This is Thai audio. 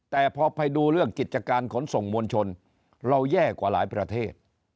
แต่พอไปดูเรื่องกิจการขนส่งมวลชนเราแย่กว่าหลายประเทศ